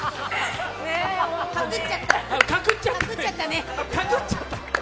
賀来っちゃった。